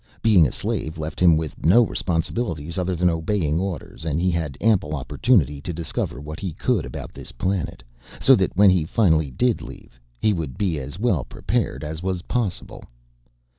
Being a slave left him with no responsibilities other than obeying orders and he had ample opportunity to discover what he could about this planet, so that when he finally did leave he would be as well prepared as was possible.